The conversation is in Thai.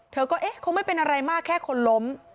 เธอก็เอ๊ะคงไม่เป็นอะไรมากแค่คนล้ม